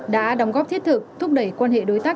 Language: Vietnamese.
đã đóng góp thiết thực thúc đẩy quan hệ đối tác